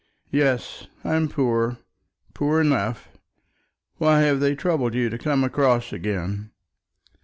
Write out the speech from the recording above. "Yes, I am poor; poor enough. Why have they troubled you to come across again?"